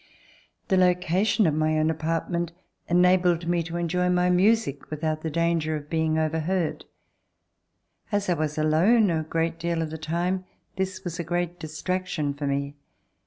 C'Sa] I LIFE AT BORDEAUX The location of my own apartment enabled me to enjoy my music, without the danger of being over heard. As I was alone a great deal of the time, this was a great distraction for me.